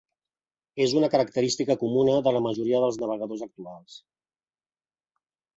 És una característica comuna de la majoria dels navegadors actuals.